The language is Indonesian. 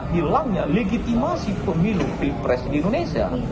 hilangnya legitimasi pemilu di pres di indonesia